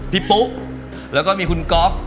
ปุ๊กแล้วก็มีคุณก๊อฟ